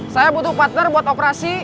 saya butuh partner buat operasi